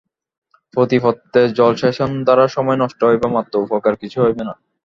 প্রতি পত্রে জলসেচন দ্বারা সময় নষ্ট হইবে মাত্র, উপকার কিছুই হইবে না।